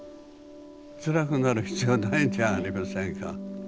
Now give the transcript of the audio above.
つらくなる必要ないじゃありませんか。